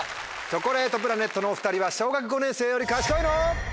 チョコレートプラネットのお２人は小学５年生より賢いの？